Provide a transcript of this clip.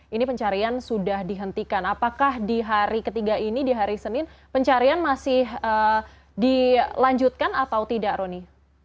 ini pencarian sudah dihentikan apakah di hari ketiga ini di hari senin pencarian masih dilanjutkan atau tidak roni